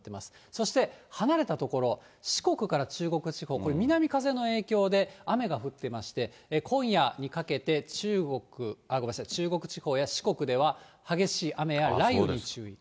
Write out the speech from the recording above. そして離れた所、四国から中国地方、これ、南風の影響で雨が降ってまして、今夜にかけて中国、ごめんなさい、中国地方や四国では激しい雨や雷雨に注意。